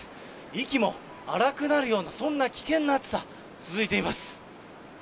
息も荒くなるような、そんな危険な暑さ、続いています。